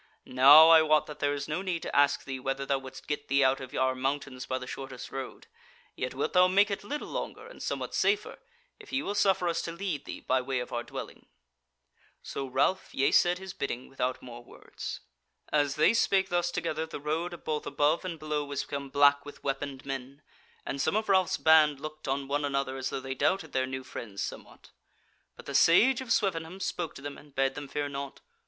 Now I wot that there is no need to ask thee whether thou wouldst get thee out of our mountains by the shortest road, yet wilt thou make it little longer, and somewhat safer, if ye will suffer us to lead thee by way of our dwelling." So Ralph yeasaid his bidding without more words. As they spake thus together the road both above and below was become black with weaponed men, and some of Ralph's band looked on one another, as though they doubted their new friends somewhat. But the Sage of Swevenham spoke to them and bade them fear nought.